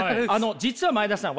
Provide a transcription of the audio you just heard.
実は前田さん